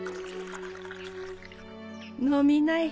飲みない。